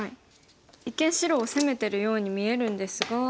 一見白を攻めてるように見えるんですが。